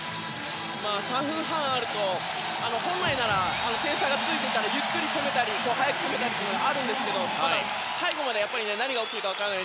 ３分半あると本来なら点差がついていたらゆっくり攻めたり早く攻めたりというのがあるんですけど最後まで何が起きるか分からない。